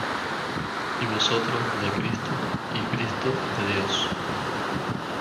Y vosotros de Cristo; y Cristo de Dios.